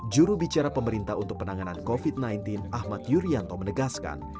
jurubicara pemerintah untuk penanganan covid sembilan belas ahmad yuryanto menegaskan